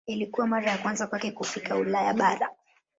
Ilikuwa mara ya kwanza kwake kufika Ulaya bara.